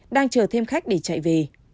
đang chờ thêm khách để chạy về